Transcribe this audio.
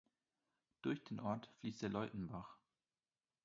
Durch den Ort fließt der Loitenbach.